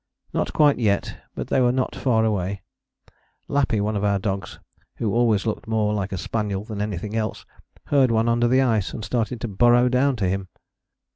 Not quite yet, but they were not far away: Lappy, one of our dogs who always looked more like a spaniel than anything else, heard one under the ice and started to burrow down to him!